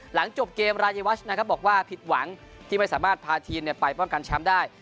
หลังจบเกมรายวัชนะครับบอกว่าผิดหวังที่ไม่สามารถพาทีมไปป้องกันแชมป์ได้